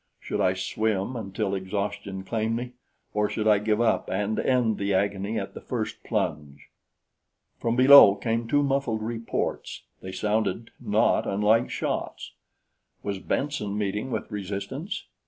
Should I swim until exhaustion claimed me, or should I give up and end the agony at the first plunge? From below came two muffled reports. They sounded not unlike shots. Was Benson meeting with resistance?